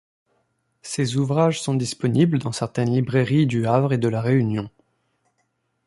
Ces ouvrages sont disponibles dans certaines librairies du Havre et de La Réunion.